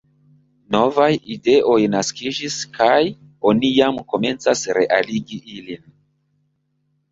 Novaj ideoj naskiĝis kaj oni jam komencas realigi ilin.